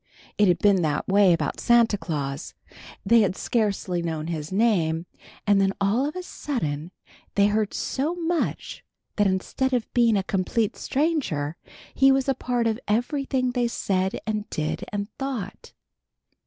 It had been that way about Santa Claus. They had scarcely known his name, and then all of a sudden they heard so much, that instead of being a complete stranger he was a part of everything they said and did and thought.